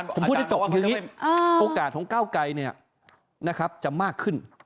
ผมพูดได้จบอย่างนี้โอกาสของก้าวไก่เนี่ยนะครับจะมากขึ้น